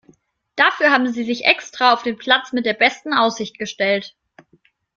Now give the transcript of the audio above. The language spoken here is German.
Dafür haben Sie sich extra auf den Platz mit der besten Aussicht gestellt.